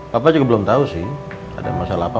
papa juga belum tahu sih ada masalah apa